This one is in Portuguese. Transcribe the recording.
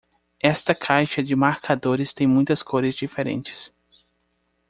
Esta caixa de marcadores tem muitas cores diferentes.